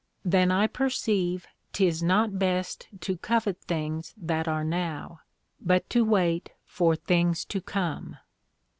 Then I perceive 'tis not best to covet things that are now, but to wait for things to come.